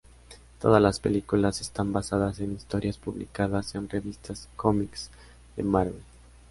Todas las películas están basadas en historias publicadas en revistas cómics de Marvel.